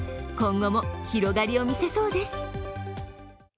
今後も広がりをみせそうです。